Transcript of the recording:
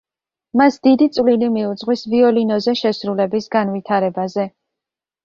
მას დიდი წვლილი მიუძღვის ვიოლინოზე შესრულების განვითარებაზე.